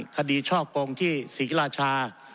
คดีช่อกงที่สีกิราชา